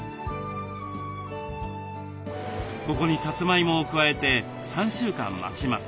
ここにさつまいもを加えて３週間待ちます。